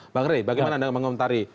bang rey bagaimana anda mengomentari